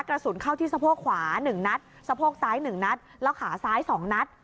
กระสุนเข้าที่สะโพกขวา๑นัดสะโพกซ้าย๑นัดแล้วขาซ้าย๒นัด